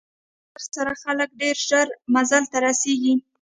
موټر سره خلک ډېر ژر منزل ته رسېږي.